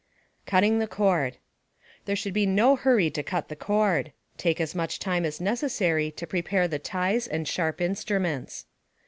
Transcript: CUTTING THE CORD There should be no hurry to cut the cord. Take as much time as necessary to prepare the ties and sharp instruments.